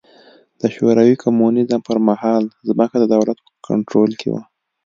د شوروي کمونېزم پر مهال ځمکه د دولت په کنټرول کې وه.